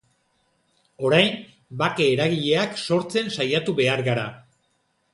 Orain, bake eragileak sortzen saiatu behar gara.